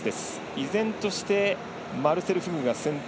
依然としてマルセル・フグが先頭。